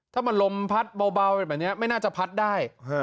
ถ้ามันลมพัดเบาแบบนี้ไม่น่าจะพัดได้